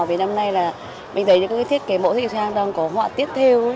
vì năm nay là mình thấy những cái thiết kế mẫu thiết kế trang đang có họa tiếp theo